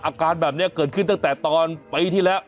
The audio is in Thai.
อาการแบบนี้เกิดขึ้นตั้งแต่ตอนปีที่แล้ว